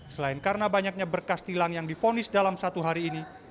selain karena banyaknya berkas tilang yang difonis dalam satu hari ini